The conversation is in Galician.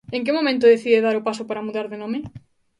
En que momento decide dar o paso para mudar de nome?